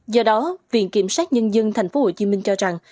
do đó viện kiểm sát nhân dân tp hcm cho rằng